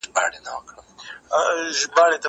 زه به سبزېجات تيار کړي وي!